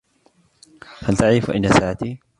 هل تعرف أين ساعتي؟